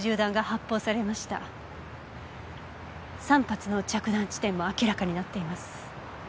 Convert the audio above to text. ３発の着弾地点も明らかになっています。